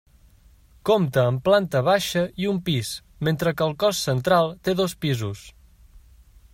Compta amb planta baixa i un pis, mentre que el cos central té dos pisos.